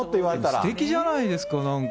すてきじゃないですか、なんか。